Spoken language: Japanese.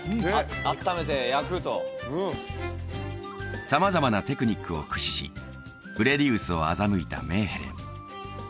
あっためて焼くと様々なテクニックを駆使しブレディウスを欺いたメーヘレン